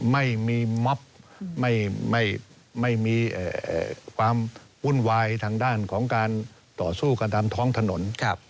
ไม่มีม็อบไม่มีความวุ่นวายทางด้านของการต่อสู้กันตามท้องถนน